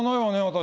私。